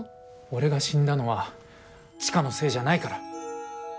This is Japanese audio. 俺が死んだのは千佳のせいじゃないから。